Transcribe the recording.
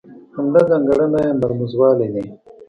عمده ځانګړنه یې مرموزوالی دی.